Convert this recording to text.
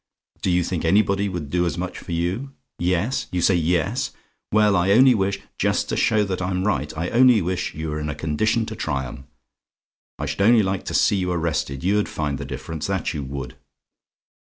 Do you think anybody would do as much for you? "YES? "You say yes? Well, I only wish just to show that I'm right I only wish you were in a condition to try 'em. I should only like to see you arrested. You'd find the difference that you would.